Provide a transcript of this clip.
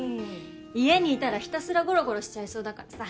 家にいたらひたすらゴロゴロしちゃいそうだからさ。